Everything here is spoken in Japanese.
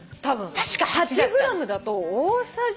８ｇだと大さじ。